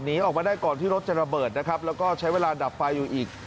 ออกมาได้ก่อนที่รถจะระเบิดนะครับแล้วก็ใช้เวลาดับไฟอยู่อีก